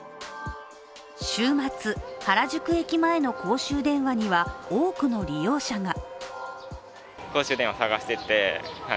週末、原宿駅前の公衆電話には多くの利用者が。